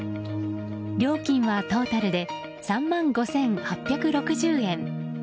料金はトータルで３万５８６０円。